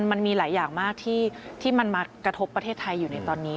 มันมีหลายอย่างมากที่มันมากระทบประเทศไทยอยู่ในตอนนี้